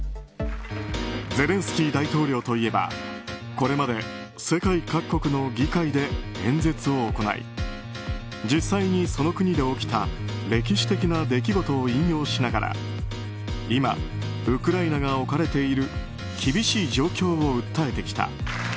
ゼレンスキー大統領といえばこれまで世界各国の議会で演説を行い実際に、その国で起きた歴史的な出来事を引用しながら今、ウクライナが置かれている厳しい状況を訴えてきた。